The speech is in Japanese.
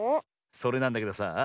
それなんだけどさあ